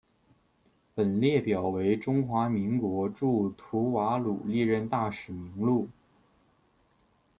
本列表为中华民国驻吐瓦鲁历任大使名录。